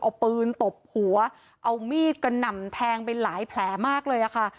เอาปืนตบหัวเอามีดกระหน่ำแทงไปหลายแผลมากเลยอะค่ะ